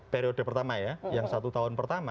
periode pertama ya yang satu tahun pertama